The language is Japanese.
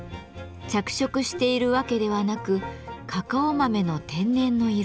着色しているわけではなくカカオ豆の天然の色。